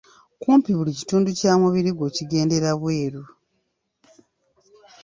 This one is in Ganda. Kumpi buli kitundu kya mubiri gwo kigendera bweru.